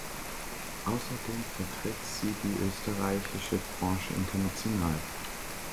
Außerdem vertritt sie die österreichische Branche international.